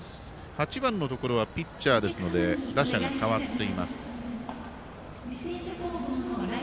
８番のところはピッチャーですので打者に代わっています。